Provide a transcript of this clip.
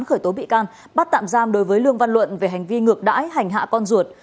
khởi tố bị can bắt tạm giam đối với lương văn luận về hành vi ngược đãi hành hạ con ruột